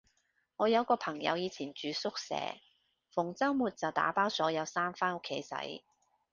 我有個朋友以前住宿舍，逢周末就打包所有衫返屋企洗